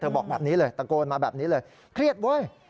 บอกแบบนี้เลยตะโกนมาแบบนี้เลยเครียดเว้ย